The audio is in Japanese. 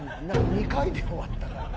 ２回で終わったからな。